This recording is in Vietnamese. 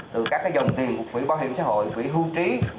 từ các dòng tiền của quỹ bảo hiểm xã hội quỹ hưu trí